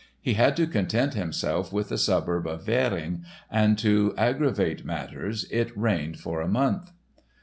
He had to content himself with the suburb of Währing and to aggravate matters it rained for a month.